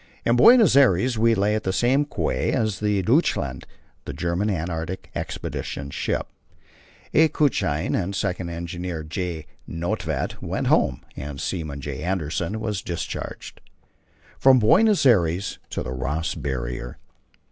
In Buenos Aires we lay at the same quay as the Deutschland, the German Antarctic Expedition's ship. A. Kutschin and the second engineer, J. Nödtvedt, went home, and seaman J. Andersen was discharged. From Buenos Aires to the Ross Barrier.